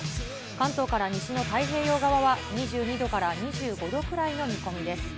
関東から西の太平洋側は２２度から２５度くらいの見込みです。